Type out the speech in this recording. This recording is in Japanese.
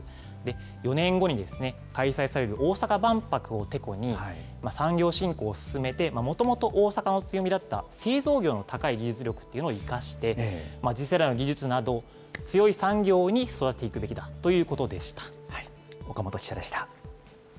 ４年後に開催される大阪万博をてこに、産業振興を進めて、もともと大阪の強みだった製造業の高い技術力というのを生かして、次世代の技術など、強い産業に育てていくべきだということでした。